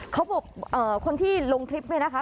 เขาบอกคนที่ลงคลิปนี้นะคะ